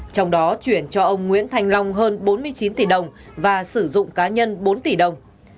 trong đó chuyển cho ông nguyễn thành long hơn bốn mươi chín tỷ đồng và sử dụng cá nhân bốn tỷ đồng